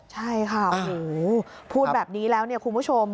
ใช่ค่ะโอ้โหพูดแบบนี้แล้วเนี่ยคุณผู้ชม